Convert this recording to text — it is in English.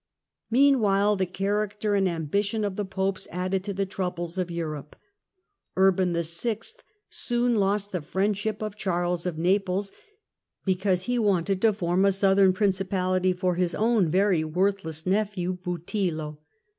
Urban VI. Meanwhile the character and ambition of the Popes witT*"^' added to the troubles of Europe. Urban VI. soon lost Naples ^j^g friendship of Charles of Naples, because he wanted to form a Southern Principality for his own very worth less nephew Butillo.